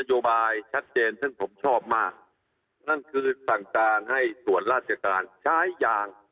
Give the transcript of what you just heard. โยบายชัดเจนซึ่งผมชอบมากนั่นคือสั่งการให้ส่วนราชการใช้ยาง